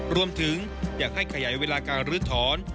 รวมถึงอยากให้ขยายเวลาการลื้อถอน